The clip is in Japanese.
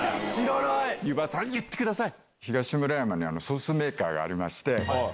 柚場さん言ってください！